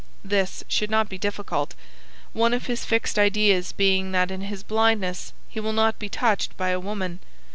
This should not be difficult; one of his fixed ideas being that in his blindness he will not be touched by a woman.